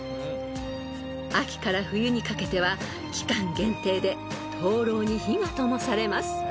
［秋から冬にかけては期間限定で灯籠に火が灯されます］